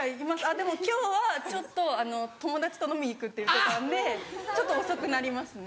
でも今日はちょっと友達と飲み行くって言ってたんでちょっと遅くなりますね。